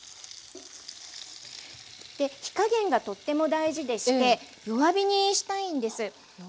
で火加減がとっても大事でして弱火にしたいんです。